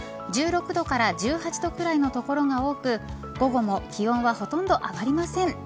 １６度から１８度ぐらいの所が多く午後も気温はほとんど上がりません。